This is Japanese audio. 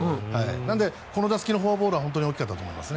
なので、この打席のフォアボールは本当に大きかったと思います。